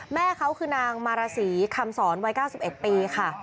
แม่เขาคือนางมารสีคำสอนวัย๙๑ปีค่ะ